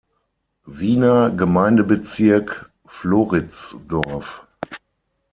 Wiener Gemeindebezirk, Floridsdorf.